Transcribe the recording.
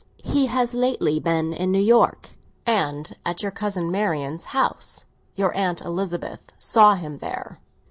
He has lately been in New York, and at your cousin Marian's house; your Aunt Elizabeth saw him there."